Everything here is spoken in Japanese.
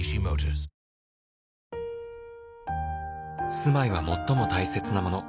「住まいは最も大切なもの」